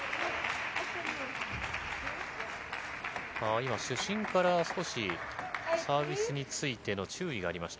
今、主審から少しサービスについての注意がありました。